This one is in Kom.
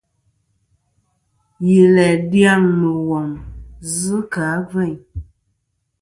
Yi læ dyaŋ mùghom zɨ kɨ̀ a gveyn.